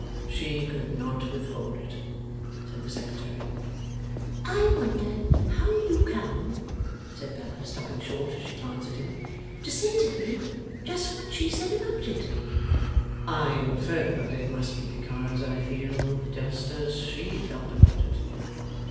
'She could not withhold it,' said the Secretary. 'I wonder how you come,' said Bella, stopping short as she glanced at him, 'to say to me just what she said about it!' 'I infer that it must be because I feel just as she felt about it.